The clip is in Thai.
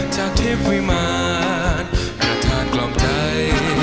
จากเทพวิมารประธานกล่องใจ